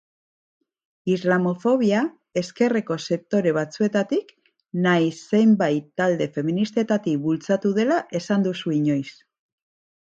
Islamofobia ezkerreko sektore batzuetatik nahiz zenbait talde feministetatik bultzatu dela esan duzu inoiz.